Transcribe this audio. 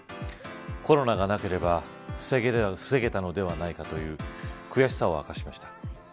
コロナがなければ防げたのではないかという悔しさを明かしました。